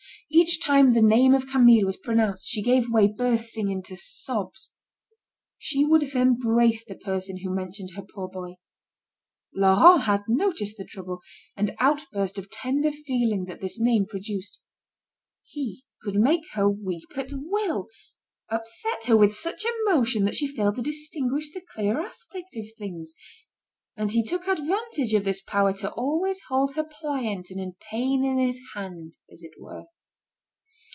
Each time the name of Camille was pronounced, she gave way, bursting into sobs. She would have embraced the person who mentioned her poor boy. Laurent had noticed the trouble, and outburst of tender feeling that this name produced. He could make her weep at will, upset her with such emotion that she failed to distinguish the clear aspect of things; and he took advantage of this power to always hold her pliant and in pain in his hand, as it were.